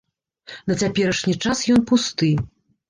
На цяперашні час ён пусты.